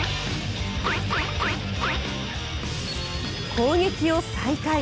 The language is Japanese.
攻撃を再開。